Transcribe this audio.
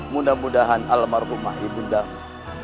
mudah mudahan almarhumah ibu damu